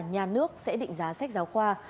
nhà nước sẽ định giá sách giáo khoa